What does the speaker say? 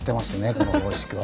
この方式は。